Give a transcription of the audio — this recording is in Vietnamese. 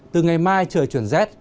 từ ngày mai trời chuyển rét